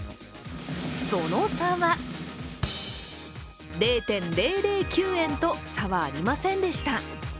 その差は、０．００９円と差はありませんでした。